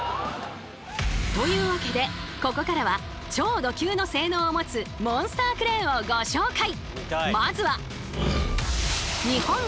というわけでここからは超ド級の性能を持つモンスタークレーンをご紹介！